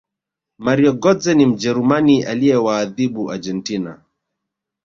mario gotze ni mjerumani aliyewaathibu argentina